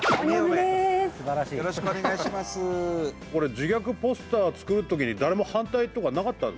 自虐ポスター作るときに誰も反対とかなかったんですか？